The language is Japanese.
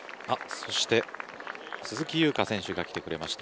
そして鈴木優花選手が来てくれました。